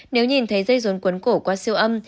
nếu nhìn thấy dây rốn cuốn cổ qua siêu âm